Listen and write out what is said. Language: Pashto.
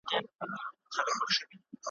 هر حیوان چي به لیدی ورته حیران وو `